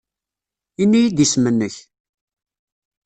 Ini-iyi-d isem-nnek.